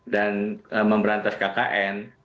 dan memberantas kkn